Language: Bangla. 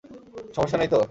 সমস্যা নেই তো?